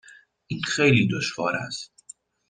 این خیلی دشوار است.